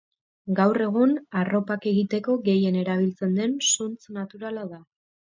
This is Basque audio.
Gaur egun, arropak egiteko gehien erabiltzen den zuntz naturala da.